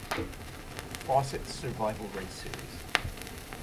Fawcett's Survival Race series.